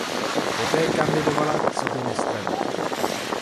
Poté kandidovala coby nestraník.